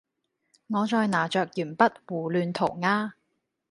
我在拿著鉛筆胡亂塗鴉